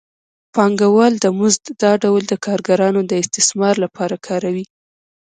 پانګوال د مزد دا ډول د کارګرانو د استثمار لپاره کاروي